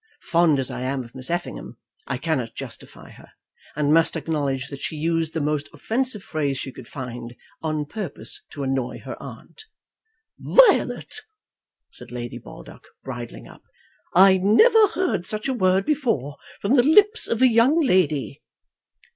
Fond as I am of Miss Effingham, I cannot justify her, and must acknowledge that she used the most offensive phrase she could find, on purpose to annoy her aunt. "Violet," said Lady Baldock, bridling up, "I never heard such a word before from the lips of a young lady."